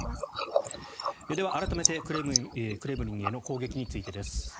では改めてクレムリンへの攻撃についてです。